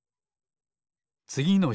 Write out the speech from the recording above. つぎのひ。